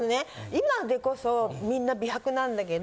今でこそみんな美白なんだけど。